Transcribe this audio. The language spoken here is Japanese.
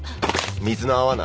「水の泡」な。